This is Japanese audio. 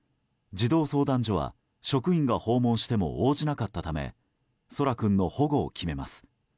児童相談所は、職員が訪問しても応じなかったため空来君の保護を決めます。